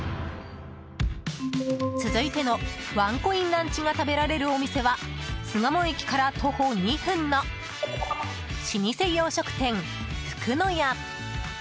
続いてのワンコインランチが食べられるお店は巣鴨駅から徒歩２分の老舗洋食店フクノヤ。